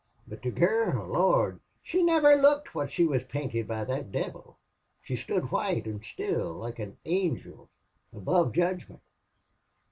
But the gurl! Lord! she niver looked wot she was painted by thot devil. She stood white an' still, like an angel above judgment.